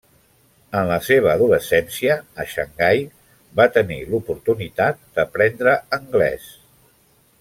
En la seva adolescència a Xangai va tenir l'oportunitat d'aprendre anglès.